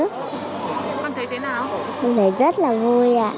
con thấy rất là vui ạ